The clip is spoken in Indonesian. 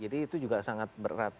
jadi itu juga sangat berat